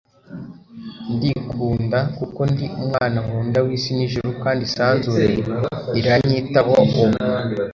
ndikunda kuko ndi umwana nkunda w'isi n'ijuru kandi isanzure iranyitaho ubu